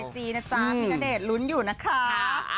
พี่ณเดชน์รุ้นอยู่นะคะ